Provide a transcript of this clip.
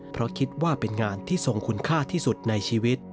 เพราะคิดว่าเป็นงานที่ทรงคุณค่าที่สุดในชีวิต